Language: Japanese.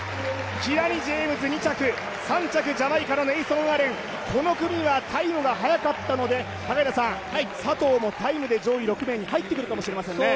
キラニ・ジェームズ２着、３着ジャマイカのネイソン・アレン、この組はタイムが速かったので、佐藤もタイムで上位６名に入ってくるかもしれませんね。